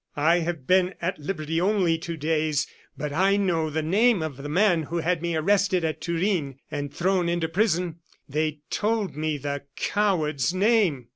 I have been at liberty only two days. But I know the name of the man who had me arrested at Turin, and thrown into prison. They told me the coward's name!"